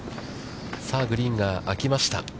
さあ、グリーンが空きました。